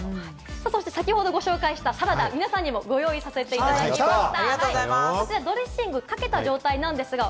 そして先程ご紹介したサラダ、皆さんにもご用意させていただきました。